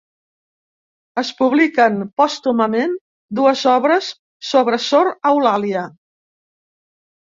Es publiquen pòstumament dues obres sobre sor Eulàlia.